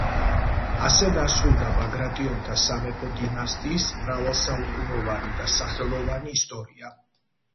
ასე დასრულდა ბაგრატიონთა სამეფო დინასტიის მრავალსაუკუნოვანი და სახელოვანი ისტორია.